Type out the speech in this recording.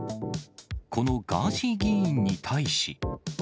このガーシー議員に対し。